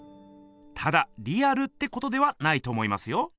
ただリアルってことではないと思いますよ。